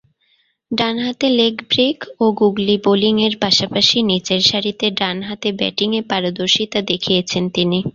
ডানহাতে leg break ও googly বোলিংয়ের পাশাপাশি নিচেরসারিতে ডানহাতে ব্যাটিংয়ে পারদর্শীতা দেখিয়েছেন তিনি।